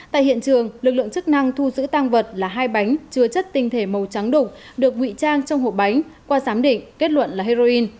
tại hiện trường lực lượng chức năng thu giữ tăng vật là hai bánh chứa chất tinh thể màu trắng đục được nguy trang trong hộp bánh qua giám định kết luận là heroin